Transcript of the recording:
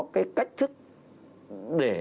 cái cách thức để